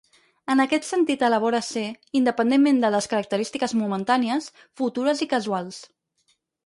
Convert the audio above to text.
En aquest sentit elabora ser, independentment de les característiques momentànies, futures i casuals.